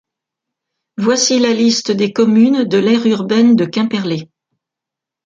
Voici la liste des communes de l'aire urbaine de Quimperlé.